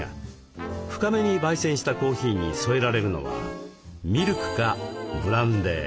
深めにばい煎したコーヒーに添えられるのはミルクかブランデー。